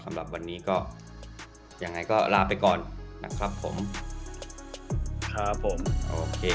สำหรับวันนี้ก็ยังไงก็ลาไปก่อนนะครับผมครับผมโอเค